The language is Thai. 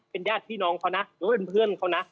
เป็นญาติพี่น้องเขานะหรือว่าเป็นเพื่อนเขานะ